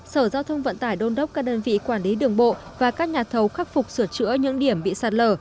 sở giao thông vận tải đôn đốc các đơn vị quản lý đường bộ và các nhà thầu khắc phục sửa chữa những điểm bị sạt lở